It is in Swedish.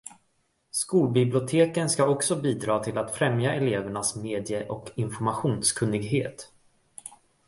Skolbiblioteken ska också bidra till att främja elevernas medie- och informationskunnighet.